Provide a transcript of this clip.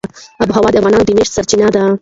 آب وهوا د افغانانو د معیشت سرچینه ده.